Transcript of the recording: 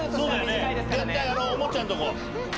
・絶対あのおもちゃのとこ。